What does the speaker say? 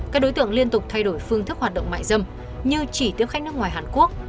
các đối tượng liên tục thay đổi phương thức hoạt động mại dâm như chỉ tiếp khách nước ngoài hàn quốc